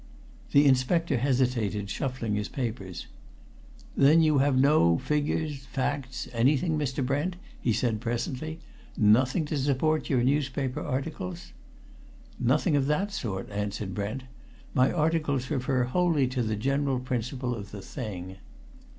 The inspector hesitated, shuffling his papers. "Then you have no figures, facts, anything, Mr. Brent?" he said presently. "Nothing to support your newspaper articles?" "Nothing of that sort," answered Brent. "My articles refer wholly to the general principle of the thing."